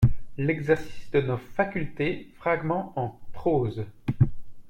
L'Exercice de nos facultés, fragment en prose.